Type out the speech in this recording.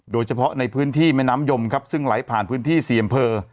โดยเฉพาะในพื้นที่แม่น้ำยมครับซึ่งไหลผ่านพื้นที่๔อำเภอ